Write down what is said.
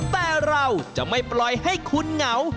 แต่เราจะไม่ปล่อยให้คุณเหงา